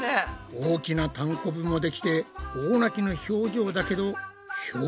大きなたんこぶもできて大泣きの表情だけど評価は？